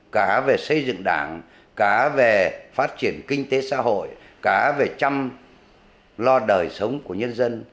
cá về xây dựng đảng cá về phát triển kinh tế xã hội cá về chăm lo đời sống của nhân dân